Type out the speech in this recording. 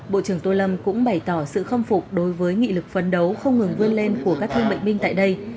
bộ trưởng tô lâm cũng bày tỏ sự khâm phục đối với nghị lực phấn đấu không ngừng vươn lên của các thương bệnh binh tại đây